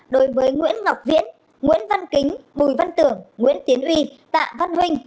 đối với nguyễn ngọc viễn nguyễn văn kính mùi văn tưởng nguyễn tiến uy tạ văn huynh